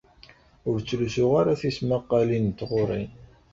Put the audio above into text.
Ur ttlusuɣ ara tismaqqalin n tɣuri.